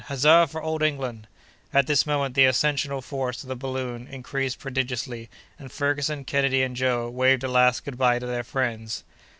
Huzza for Old England!" At this moment the ascensional force of the balloon increased prodigiously, and Ferguson, Kennedy, and Joe, waved a last good by to their friends.